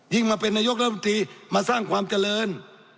ยิ่งมาเป็นนายกระดูกตรีมาสร้างความเจริญ